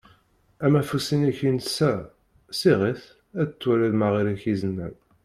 Amafus-inek insa. Siɣ-it ad twaliḍ ma ɣer-k izenan.